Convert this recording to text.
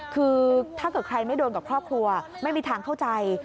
คือถ้าเกิดใครไม่โดนกับครอบครัวไม่มีทางเข้าใจ